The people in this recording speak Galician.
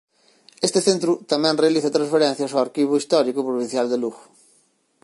Este centro tamén realiza transferencias ao Arquivo Histórico Provincial de Lugo.